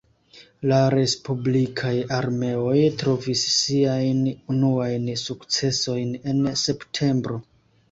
La respublikaj armeoj trovis siajn unuajn sukcesojn en septembro.